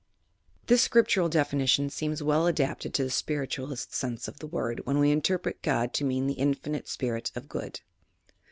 This scriptural definition seems well adapted to the spiritualist sense of the word, when we interpret God to mean the Infinite Spirit of Good.